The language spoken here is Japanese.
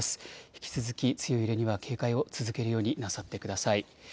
引き続き強い揺れには警戒を続けるようになさってください。